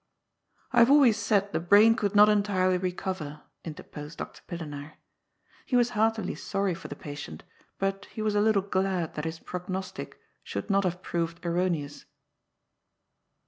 '*^ I haye always said the brain could not entirely re coyer,*' interposed Dr. Pillenaar. He was heartily sorry for the patient, but he was a little glad that his prognostic should not haye proyed erroneous.